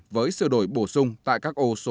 với sửa đổi bổ sung tại các ô số